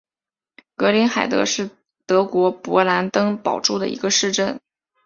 格林海德是德国勃兰登堡州的一个市镇。